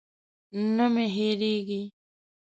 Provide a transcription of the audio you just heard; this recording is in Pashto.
نه مې هېرېږي.